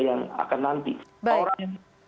yang akan nanti tawaran yang